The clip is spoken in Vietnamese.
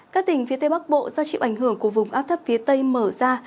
các tỉnh phía tây bắc bộ do chịu ảnh hưởng của vùng áp thấp phía tây mở ra